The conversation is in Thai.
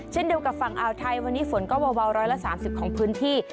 เช่นเดียวกับฝั่งอ่าวไทยวันนี้ฝนก็เบาร้อยละ๓๐ของพื้นที่